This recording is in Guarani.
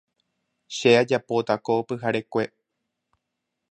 Che ajapóta ko pyharekue.